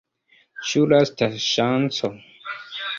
Ĉu lasta ŝanco?